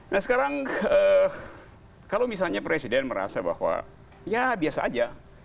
nah sekarang kalau misalnya presiden merasa bahwa ya biasa aja